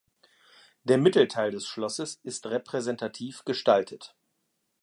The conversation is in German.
Der Mittelteil des Schlosses ist repräsentativ gestaltet.